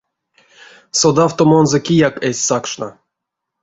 Содавтомонзо кияк эзь сакшно.